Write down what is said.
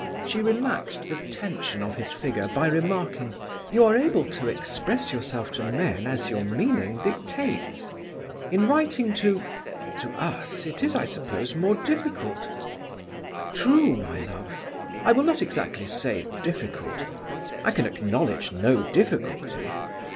She relaxed the tension of his figure by remarking: "You are able to express yourself to men as your meaning dictates. In writing to ... to us it is, I suppose, more difficult." "True, my love. I will not exactly say difficult. I can acknowledge no difficulty.